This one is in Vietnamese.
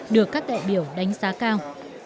được các đại biểu đánh giá cao